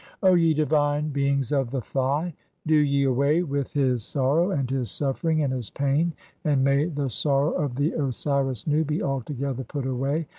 "[O ye divine beings of the Thigh], do ye away with his sor "row, and his suffering, and his pain, and may the sorrow of "the Osiris Nu be altogether put away.